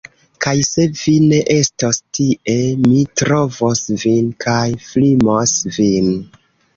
Kaj se vi ne estos tie, mi trovos vin kaj flimos vin.